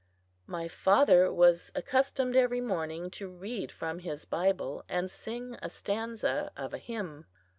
My father was accustomed every morning to read from his Bible, and sing a stanza of a hymn.